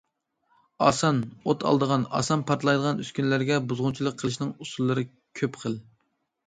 ئاسان ئوت ئالىدىغان، ئاسان پارتلايدىغان ئۈسكۈنىلەرگە بۇزغۇنچىلىق قىلىشنىڭ ئۇسۇللىرى كۆپ خىل.